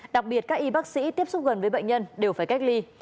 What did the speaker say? đặc biệt các y bác sĩ tiếp xúc gần với bệnh nhân đều phải cách ly